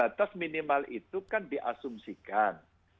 batas minimal itu kan diasumsikan